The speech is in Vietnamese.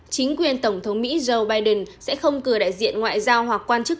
chính quyền tổng thống mỹ joe biden sẽ không cử đại diện ngoại giao hoặc quan chức